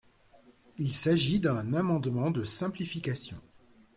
Il s’agit d’un amendement de simplification.